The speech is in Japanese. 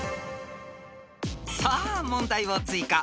［さあ問題を追加］